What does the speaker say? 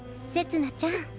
せつなちゃん